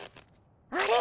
あれ？